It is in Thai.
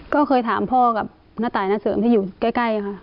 ก็เคยถามพ่อกับณตายณเสริมที่อยู่ใกล้ค่ะ